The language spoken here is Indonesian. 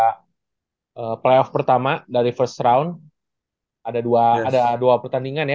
dua pertandingan ya berarti ada pertandingan pertama dari first round ada dua pertandingan ya